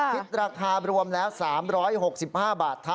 คิดราคารวมแล้ว๓๖๕บาท